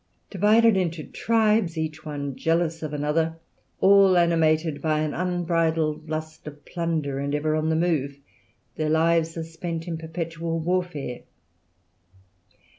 Divided into tribes, each one jealous of another, all animated by an unbridled lust of plunder, and ever on the move, their lives are spent in perpetual warfare.